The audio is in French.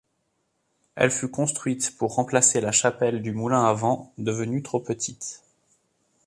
Elle fut construite pour remplacer la chapelle du Moulin-à-Vent devenue trop petite.